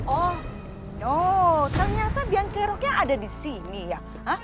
oh no ternyata biang keroknya ada disini ya